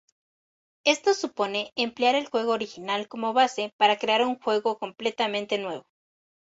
Esto supone emplear el juego original como base para crear un juego completamente nuevo.